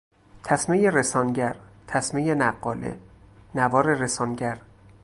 تسمهی رسانگر، تسمه نقاله، نوار رسانگر